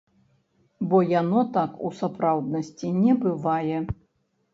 Бо яно так у сапраўднасці не бывае.